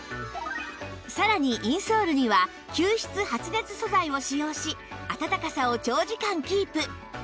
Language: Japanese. さらにインソールには吸湿発熱素材を使用しあたたかさを長時間キープ